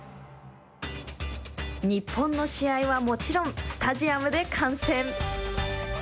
日本の試合はもちろんスタジアムで観戦！